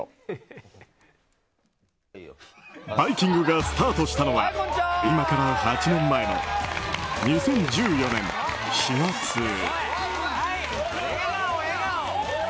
「バイキング」がスタートしたのは今から８年前の２０１４年４月。